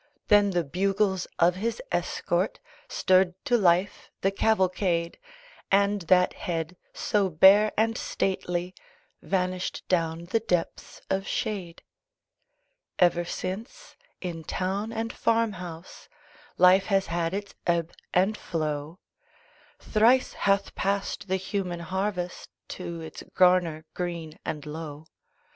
Then the bugles of his escort Stirred to life the cavalcade: And that head, so bare and stately Vanished down the depths of shade. Ever since, in town and farm house, Life has had its ebb and flow; Thrice hath passed the human harvest To its garner green and low.